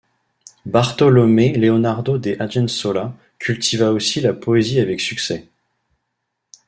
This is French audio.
Bartolomé Leonardo de Argensola cultiva aussi la poésie avec succès.